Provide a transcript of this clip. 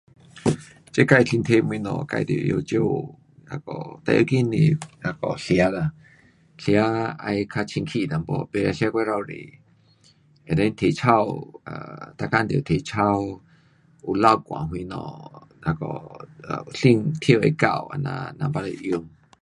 这自身体东西自得会晓照顾。那个最要紧是那个吃啦，吃要较清洁一点，不可吃过头多。And then 体操，啊，每天得体操，有流汗什么，那个啊心跳会够这样，人 baru 会强。